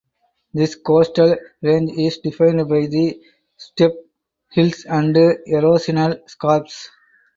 This coastal range is defined by steep hills and erosional scarps.